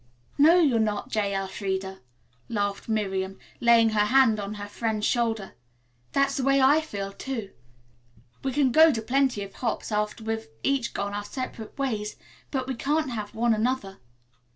"No, you're not, J. Elfreda," laughed Miriam, laying her hand on her friend's shoulder. "That's the way I feel, too. We can go to plenty of hops after we have each gone our separate way, but we can't have one another.